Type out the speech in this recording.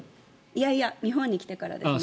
いやいや日本に来てからですね。